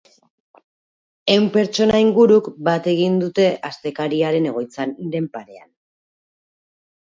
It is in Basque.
Ehun pertsona inguruk bat egin dute astekariaren egoitzaren parean.